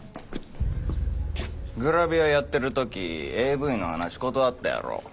グラビアやってる時ＡＶの話断ったやろ？